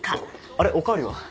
あれお代わりは？